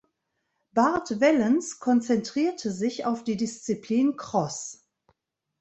Bart Wellens konzentrierte sich auf die Disziplin Cross.